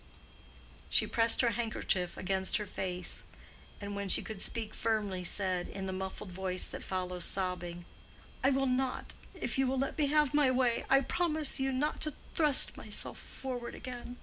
She pressed her handkerchief against her face, and when she could speak firmly said, in the muffled voice that follows sobbing, "I will not—if you will let me have my way—I promise you not to thrust myself forward again.